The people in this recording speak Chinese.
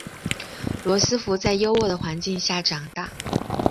罗斯福在优渥的环境下长大。